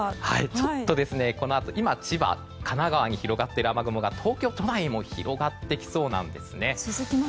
ちょっと千葉、神奈川に広がっている雨雲が東京都内にも広がってきそうなんですね。